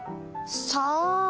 さあ？